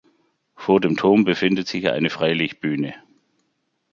Vor dem Turm befindet sich eine Freilichtbühne.